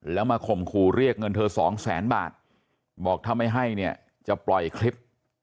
แล้วมาข่มขู่เรียกเงินเธอสองแสนบาทบอกถ้าไม่ให้เนี่ยจะปล่อยคลิป